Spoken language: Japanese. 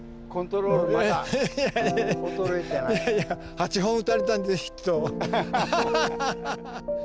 ８本打たれたんでヒット。